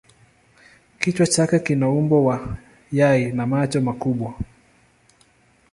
Kichwa chake kina umbo wa yai na macho makubwa.